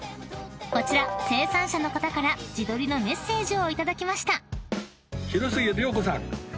［こちら生産者の方から自撮りのメッセージを頂きました］